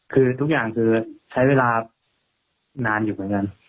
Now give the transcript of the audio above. คือทุกอย่างคือใช้เวลานานอยู่เหมือนกัน